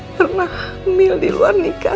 pernah hamil di luar nikah